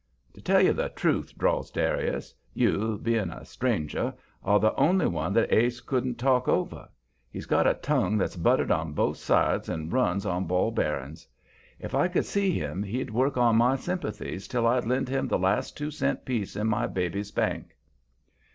"To tell you the truth," drawls Darius, "you, being a stranger, are the only one that Ase couldn't talk over. He's got a tongue that's buttered on both sides and runs on ball bearings. If I should see him he'd work on my sympathies till I'd lend him the last two cent piece in my baby's bank."